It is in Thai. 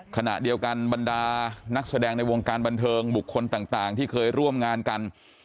ขณะเดียวกันบรรดานักแสดงในวงการบันเทิงบุคคลต่างที่เคยร่วมงานกัน